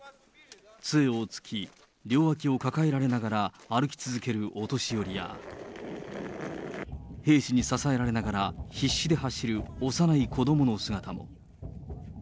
つえをつき、両脇を抱えられながら歩き続けるお年寄りや、兵士に支えられながら、必死で走る幼い子どもの姿も。